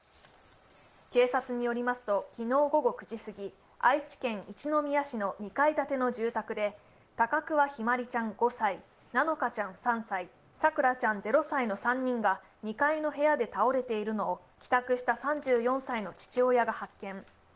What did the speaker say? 警察によりますと、昨日午後９時すぎ、愛知県一宮市の２階建ての住宅で高桑姫茉梨ちゃん５歳、菜乃華ちゃん３歳、咲桜ちゃん０歳の３人が２階の部屋で倒れているのを帰宅した３４歳の父親が発見。